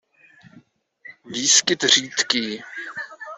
Výskyt řídký.